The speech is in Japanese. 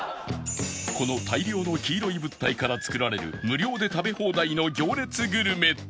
この大量の黄色い物体から作られる無料で食べ放題の行列グルメとは？